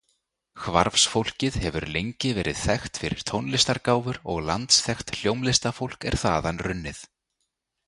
Hvarfsfólkið hefur lengi verið þekkt fyrir tónlistargáfur og landsþekkt hljómlistafólk er þaðan runnið.